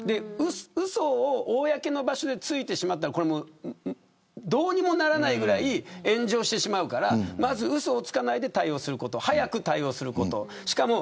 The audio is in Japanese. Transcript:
うそを公の場所でついてしまったらどうにもならないぐらい炎上してしまうからまず、うそをつかないで対応すること、早く対応すること